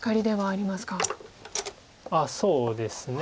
あっそうですね。